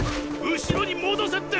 後ろに戻せって！